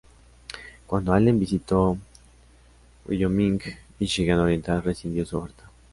Cuando Allen visitó Wyoming, Míchigan Oriental rescindió su oferta.